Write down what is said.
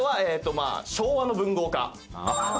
まあ「昭和の文豪か」。